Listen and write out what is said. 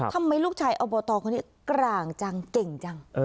ทำไมลูกชายโอเบอร์ตอคนนี้กลางจนเก่งจน